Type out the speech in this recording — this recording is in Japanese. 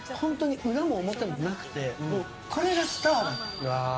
裏も表もなくてこれがスターだなって。